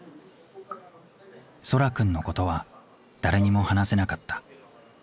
蒼空くんのことは誰にも話せなかった。